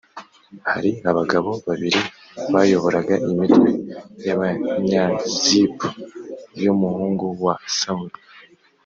hari abagabo babiri bayoboraga imitwe y abanyazip y umuhungu wa sawuli